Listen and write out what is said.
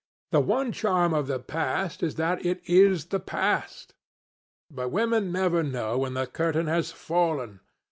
The one charm of the past is that it is the past. But women never know when the curtain has fallen.